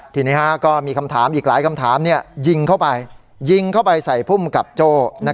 ทีนี้ก็มีอีกหลายคำถามยิงเข้าไปใส่ภูมิกับโจ้